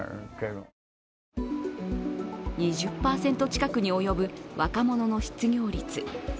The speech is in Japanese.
２０％近くに及ぶ若者の失業率。